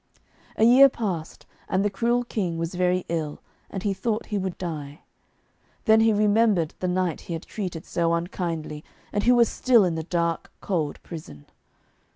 A year passed and the cruel King was very ill, and he thought he would die. Then he remembered the knight he had treated so unkindly, and who was still in the dark, cold prison.